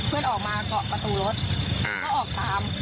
เพื่อนออกมาเกาะประตูรถก็ออกตาม